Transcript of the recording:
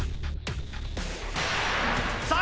さあ